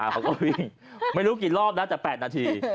เขาก็วิ่งไม่รู้กี่รอบแล้วแต่๘นาที